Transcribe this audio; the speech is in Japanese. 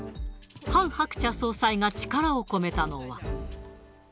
ハン・ハクチャ総裁が力を込めたのは。